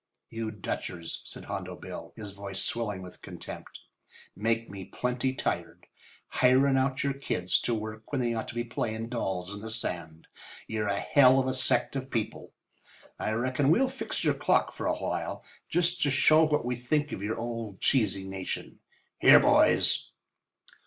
"You Dutchers," said Hondo Bill, his voice swelling with fine contempt, "make me plenty tired. Hirin' out your kids to work when they ought to be playin' dolls in the sand. You're a hell of a sect of people. I reckon we'll fix your clock for a while just to show what we think of your old cheesy nation. Here, boys!"